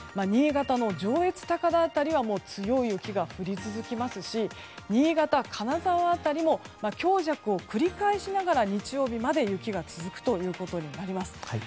新潟の上越高田辺りは強い雪が降り続きますし新潟や金沢辺りも強弱を繰り返しながら日曜日まで雪が続くことになります。